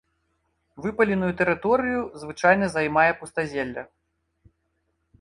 Выпаленую тэрыторыю звычайна займае пустазелле.